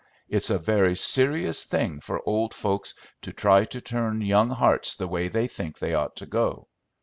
It's a very serious thing for old folks to try to turn young hearts the way they think they ought to go.